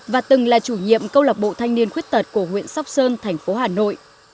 và từng là chủ nhiệm câu lạc bộ thanh niên khuyết tật của huyện sóc sơn thành phố hà nội